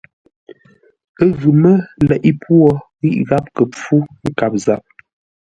Ə́ ghʉ mə́ leʼé pwô ghíʼ gháp kə́ pfú nkâp záp.